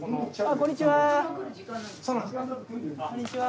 こんにちは。